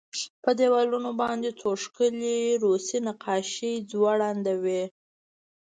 په دېوالونو باندې څو ښکلې روسي نقاشۍ ځوړندې وې